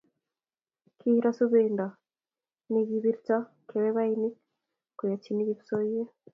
Kiiro subendo nekibirto kebebaik koyonchini kipsoiywet